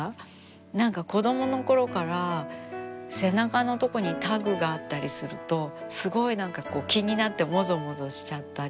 何か子どものころから背中のとこにタグがあったりするとすごい何かこう気になってもぞもぞしちゃったり。